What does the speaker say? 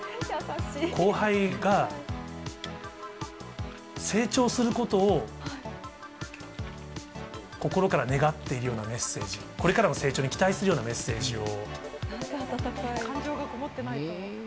後輩が成長することを、心から願っているようなメッセージ、これからの成長に期待するようなメッセージを。